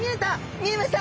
見えました！